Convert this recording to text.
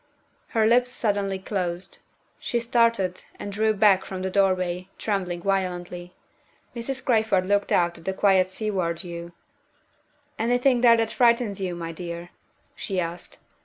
Her lips suddenly closed. She started, and drew back from the doorway, trembling violently. Mrs. Crayford looked out at the quiet seaward view. "Anything there that frightens you, my dear?" she asked.